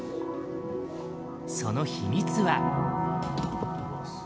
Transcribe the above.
その秘密は。